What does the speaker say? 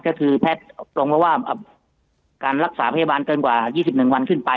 ก็คือแพทย์ตรงนั้นว่าการรักษาพยาบาลเกินกว่ายี่สิบหนึ่งวันขึ้นไป